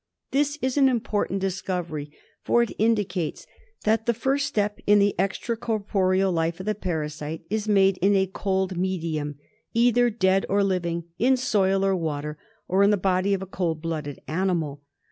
This is an important discovery, for it indicates that the first step in the extra corporeal life of the parasite is made in a cold medium — either dead or living, in soil or water, or in the body of a cold blooded animal.